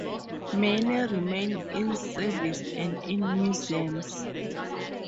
Many remain, in service and in museums.